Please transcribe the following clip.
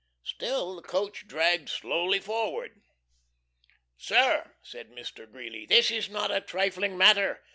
Still the coach dragged slowly forward. "Sir," said Mr. Greeley, "this is not a trifling matter.